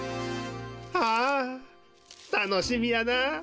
ああたのしみやな。